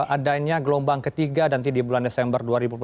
adanya gelombang ketiga nanti di bulan desember dua ribu dua puluh